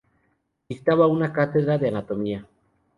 Dictaba una cátedra de anatomía.